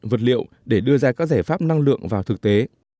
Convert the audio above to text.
vật liệu để đưa ra các giải pháp năng lượng vào thực tế